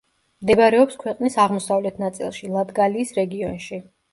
მდებარეობს ქვეყნის აღმოსავლეთ ნაწილში, ლატგალიის რეგიონში.